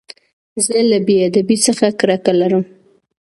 زه له بېادبۍ څخه کرکه لرم.